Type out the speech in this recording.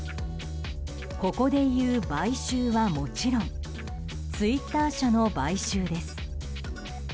ここでいう買収はもちろんツイッター社の買収です。